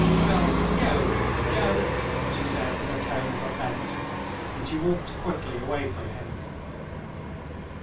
"Well, go, go!" she said in a tone of offense, and she walked quickly away from him.